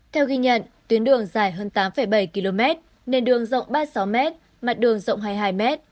theo ghi nhận tuyến đường dài hơn tám bảy km nền đường rộng ba mươi sáu m mặt đường rộng hai mươi hai m